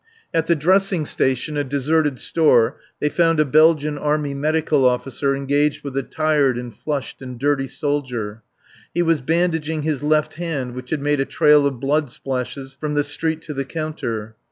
At the dressing station, a deserted store, they found a Belgian Army Medical officer engaged with a tired and flushed and dirty soldier. He was bandaging his left hand which had made a trail of blood splashes from the street to the counter.